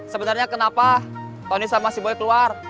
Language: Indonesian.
sebenarnya kenapa tony sama si boy keluar